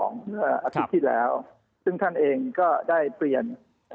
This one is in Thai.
เมื่ออาทิตย์ที่แล้วซึ่งท่านเองก็ได้เปลี่ยนเอ่อ